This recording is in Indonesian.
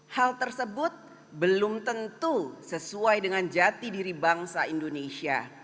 hal tersebut belum tentu sesuai dengan jati diri bangsa indonesia